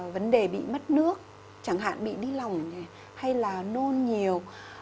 vấn đề bị mất nước chẳng hạn bị đi lỏng hay là nôn nhiều